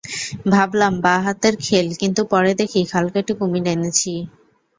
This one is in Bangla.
ভাবলাম বা হাতের খেল কিন্তু পরে দেখি খাল কেটে কুমির এনেছি।